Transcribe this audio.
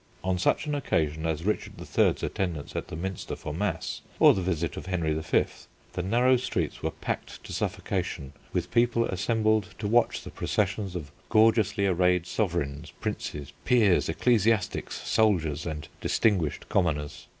On such an occasion as Richard III.'s attendance at the Minster for mass, or the visit of Henry V., the narrow streets were packed to suffocation with people assembled to watch the processions of gorgeously arrayed sovereigns, princes, peers, ecclesiastics, soldiers, and distinguished commoners.